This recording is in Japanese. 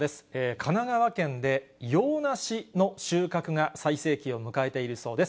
神奈川県で洋梨の収穫が最盛期を迎えているそうです。